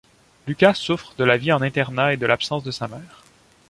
Luca souffre de la vie en internat et de l'absence de sa mère.